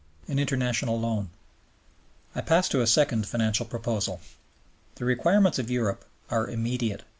An International Loan I pass to a second financial proposal. The requirements of Europe are immediate.